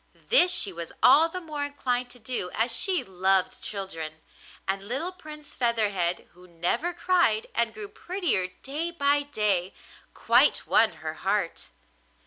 This she was all the more inclined to do as she loved children, and little Prince Featherhead, who never cried and grew prettier day by day, quite won her heart.